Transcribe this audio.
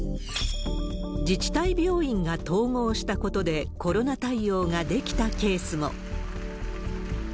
自治体病院が統合したことで、コロナ対応ができたケースも。